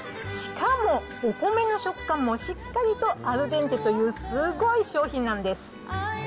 しかも、お米の食感もしっかりとアルデンテという、すごい商品なんです。